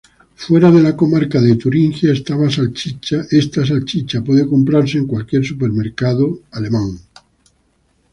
Fuera de la comarca de Turingia esta salchicha puede comprase en cualquier supermercado Alemán.